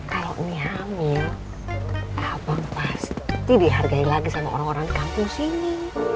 kalau ini hamil abang pasti dihargai lagi sama orang orang kampung sini